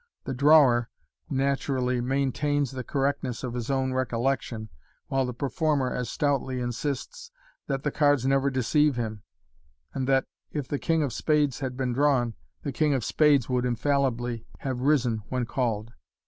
The drawer naturally maintains the correctness of his own recollection, while the performer as stoutly insists t' at the cards never deceive him, and that, if the king of spades had been drawn, the king of spades would infallibly have risen when called.